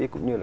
cũng như là